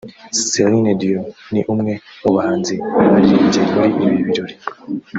Celine Dion ni umwe mu bahanzi baririmbye muri ibi birori